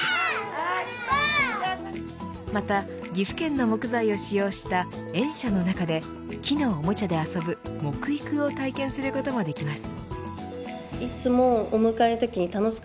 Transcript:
また、岐阜県の木材を使用した園舎の中で木のおもちゃで遊ぶ木育を体験することもできます。